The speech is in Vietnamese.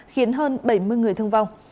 khiến hơn bảy mươi người thương vong